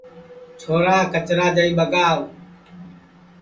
چھورا کچرا جائی ٻگاو